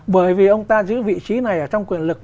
bởi vì ông ta giữ vị trí này ở trong quyền lực